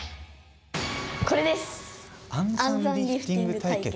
これです！